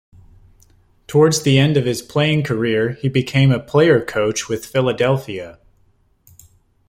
Towards the end of his playing career, he became a player-coach with Philadelphia.